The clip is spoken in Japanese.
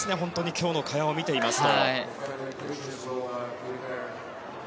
今日の萱を見ていますと。